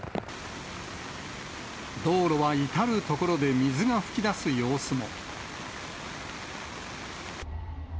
道路は至る所で水が噴き出す様子も。